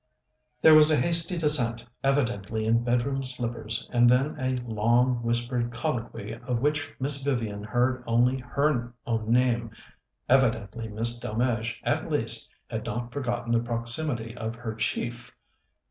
There was a hasty descent, evidently in bedroom slippers, and then a long whispered colloquy of which Miss Vivian heard only her own name. Evidently Miss Delmege, at least, had not forgotten the proximity of her chief.